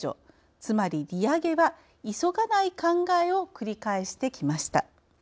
つまり利上げは急がない考えを繰り返してきました。